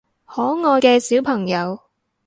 可愛嘅小朋友